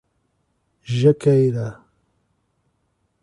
Jaqueira